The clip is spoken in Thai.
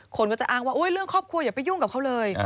คนก็จะอ้างว่าเรื่องครอบครัวอย่าไปยุ่งกับเขาเลย